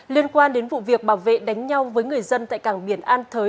liên quan đến vụ việc bảo vệ đánh nhau với người dân tại cảng biển an thới